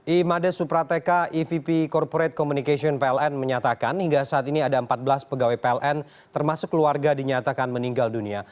imade suprateka evp corporate communication pln menyatakan hingga saat ini ada empat belas pegawai pln termasuk keluarga dinyatakan meninggal dunia